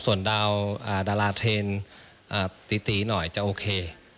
ส่วนดาวดาราเทนตีหน่อยจะโอเค